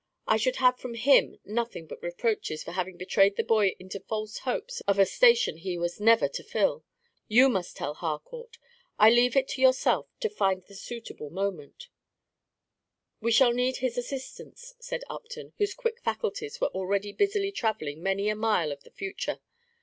I should have from him nothing but reproaches for having betrayed the boy into false hopes of a station he was never to fill. You must tell Harcourt. I leave it to yourself to find the suitable moment." "We shall need his assistance," said Upton, whose quick faculties were already busily travelling many a mile of the future.